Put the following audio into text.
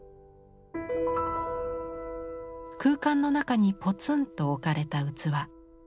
空間の中にポツンと置かれた器。